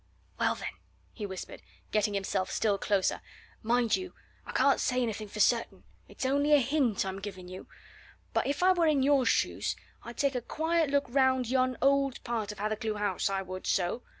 "Well, then," he whispered, getting himself still closer: "mind you, I can't say anything for certain it's only a hint I'm giving you; but if I were in your shoes, I'd take a quiet look round yon old part of Hathercleugh House I would so!